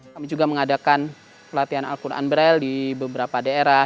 kami juga mengadakan pelatihan al quran braille di beberapa daerah